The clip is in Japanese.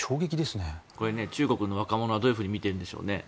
中国の若者はどういうふうに見ているんでしょうね。